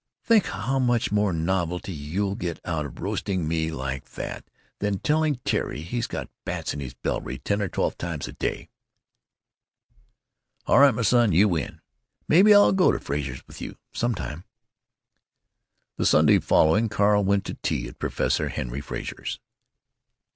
"Think how much more novelty you get out of roasting me like that than telling Terry he's got 'bats in his belfry' ten or twelve times a day." "All right, my son; you win. Maybe I'll go to Frazer's with you. Sometime." The Sunday following Carl went to tea at Professor Henry Frazer's.